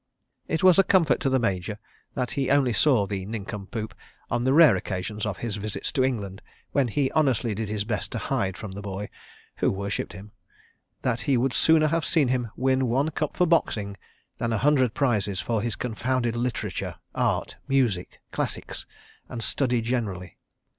It was a comfort to the Major that he only saw the nincompoop on the rare occasions of his visits to England, when he honestly did his best to hide from the boy (who worshipped him) that he would sooner have seen him win one cup for boxing, than a hundred prizes for his confounded literature, art, music, classics, and study generally.